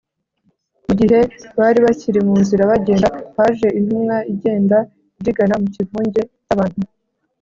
mu gihe bari bakiri mu nzira bagenda, haje intumwa igenda ibyigana mu kivunge cy’abantu